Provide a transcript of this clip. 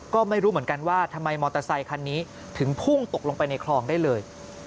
ก็ไม่รู้เหมือนกันว่าทำไมมอเตอร์ไซคันนี้ถึงพุ่งตกลงไปในคลองได้เลย